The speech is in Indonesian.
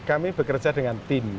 kami bekerja dengan tim